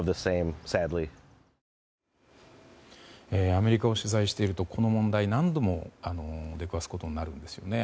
アメリカを取材しているとこの問題、何度も出くわすことになるんですよね。